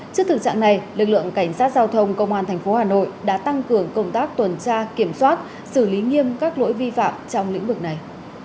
trước thực trạng này lực lượng cảnh sát giao thông công an tp hà nội đã tăng cường công tác tuần tra kiểm soát xử lý nghiêm các lỗi vi phạm trong lĩnh vực này